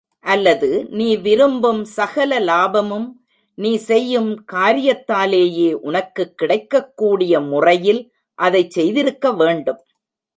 அல்லது நீ விரும்பும் சகல லாபமும் நீ செய்யும் காரியத்தாலேயே உனக்குக் கிடைக்கக்கூடிய முறையில் அதைச் செய்திருக்க வேண்டும்.